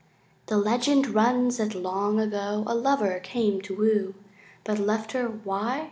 The legend runs: That long ago A lover came to woo, But left her why?